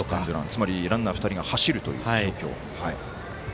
つまり、ランナー２人が走るという状況。